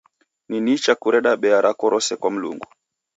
Ni nicha kureda bea rako rose kwa Mlungu.